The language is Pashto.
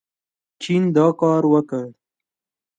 چین دا کار وکړ.